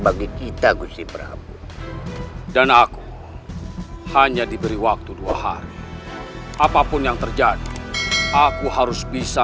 bagi kita gus ibra dan aku hanya diberi waktu dua hari apapun yang terjadi aku harus bisa